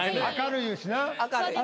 明るいしな。